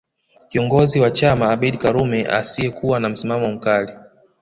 Kiongozi wa chama Abeid Karume asiyekuwa na msimamo mkali